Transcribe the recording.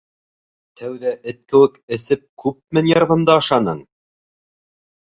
Тәүҙә эт кеүек эсеп күпме нервымды ашаның!